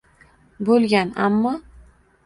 Bo’lgan ammo